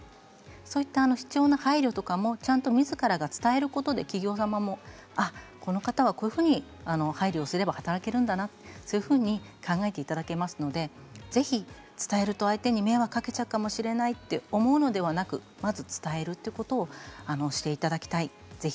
そういった必要な配慮とかもみずからが伝えることで企業側も、この方はこのように配慮をすれば働ける人なんだそのように考えていただけますのでぜひ、伝えると相手に迷惑をかけてしまうかもしれないと思うのではなくまずは伝えるということをしていただきたいと思います。